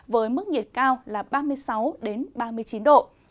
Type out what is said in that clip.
với mức nhiệt cao là ba mươi sáu ba mươi chín độ